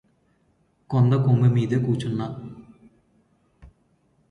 కొండకొమ్ము మీద కూరుచున్న